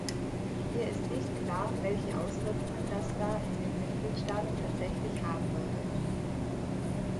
Hier ist nicht klar, welche Auswirkungen das da in den Mitgliedstaaten tatsächlich haben würde.